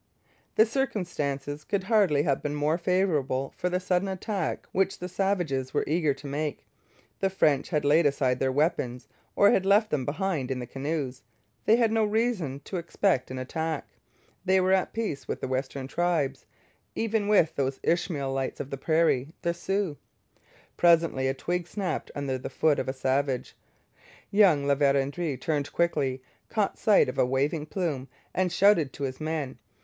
The circumstances could hardly have been more favourable for the sudden attack which the savages were eager to make. The French had laid aside their weapons, or had left them behind in the canoes. They had no reason to expect an attack. They were at peace with the western tribes even with those Ishmaelites of the prairie, the Sioux. Presently a twig snapped under the foot of a savage. Young La Vérendrye turned quickly, caught sight of a waving plume, and shouted to his men.